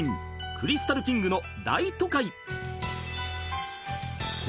［クリスタルキングの『大都会』］